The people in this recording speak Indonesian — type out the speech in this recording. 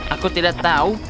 aku tidak tahu